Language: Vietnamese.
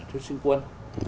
thứ sinh quân